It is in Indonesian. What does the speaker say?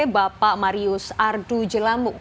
bapak marius ardu jelamu